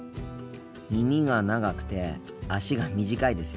耳が長くて足が短いですよね。